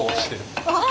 あ。